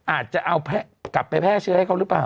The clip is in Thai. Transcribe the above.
อาจจะเอากลับไปแพร่เชื้อให้เขาหรือเปล่า